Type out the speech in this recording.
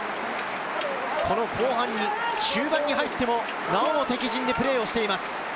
後半の終盤に入ってもなお、敵陣でプレーしています。